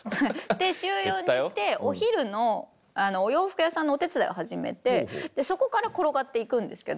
で週４にしてお昼のお洋服屋さんのお手伝いを始めてそこから転がっていくんですけど。